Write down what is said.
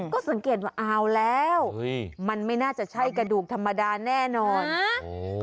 ก็สังเกตว่าเอาแล้วมันไม่น่าจะใช่กระดูกธรรมดาแน่นอนโอ้โห